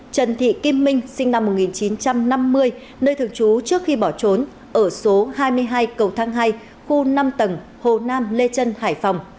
trần thị kim minh sinh năm một nghìn chín trăm năm mươi nơi thường trú trước khi bỏ trốn ở số hai mươi hai cầu thang hai khu năm tầng hồ nam lê trân hải phòng